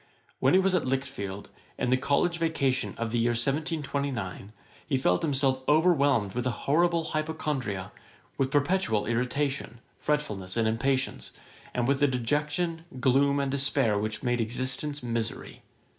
While he was at Lichfield, in the college vacation of the year 1729, he felt himself overwhelmed with an horrible hypochondria, with perpetual irritation, fretfulness, and impatience; and with a dejection, gloom, and despair, which made existence misery.